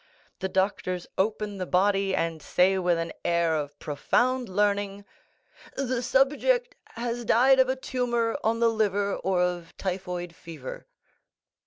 The doctors open the body and say with an air of profound learning, 'The subject has died of a tumor on the liver, or of typhoid fever!